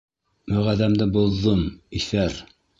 Вәғәҙәмде боҙҙом, иҫәр!